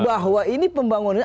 bahwa ini pembangunan